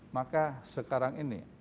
maka sekarang ini